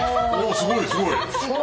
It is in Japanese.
すごいすごい。